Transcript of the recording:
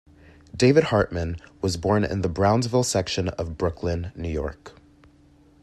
David Hartman was born in the Brownsville section of Brooklyn, New York.